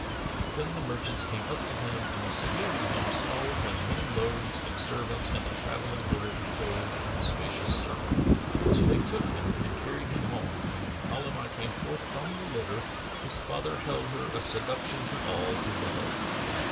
Then the merchants came up to him and saluting him, saw with him many loads and servants and a travelling litter enclosed in a spacious circle.[FN#442] So they took him and carried him home; and when Halimah came forth from the litter, his father held her a seduction to all who beheld her.